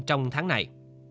trong tháng này